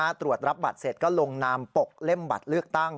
ถ้าตรวจรับบัตรเสร็จก็ลงนามปกเล่มบัตรเลือกตั้ง